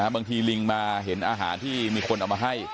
บางทีลิงมาเห็นอาหารที่มีคนเอามาให้